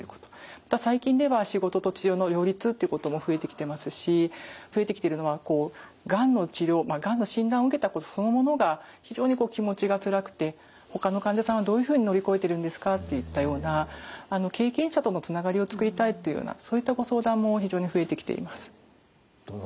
また最近では仕事と治療の両立っていうことも増えてきてますし増えてきてるのはがんの治療がんの診断を受けたことそのものが非常に気持ちがつらくてほかの患者さんはどういうふうに乗り越えてるんですかといったような経験者とのつながりを作りたいというようなそういったご相談も非常に増えてきています。